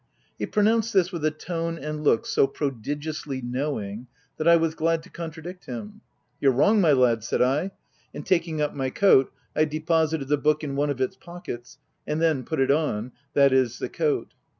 He pronounced this with a tone and look so prodigiously knowing, that I was glad to con tradict him. " Your'e wrong my lad," said I ; and taking up my coat, I deposited the book in one of it3 140 THE TENANT pockets, and then put it on (i.e. the coat).